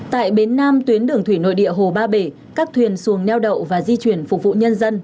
tại bến nam tuyến đường thủy nội địa hồ ba bể các thuyền xuồng neo đậu và di chuyển phục vụ nhân dân